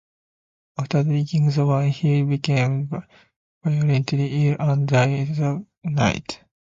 After drinking the wine, he became violently ill and died that night.